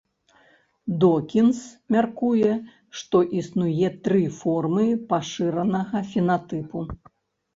Докінз мяркуе, што існуе тры формы пашыранага фенатыпу.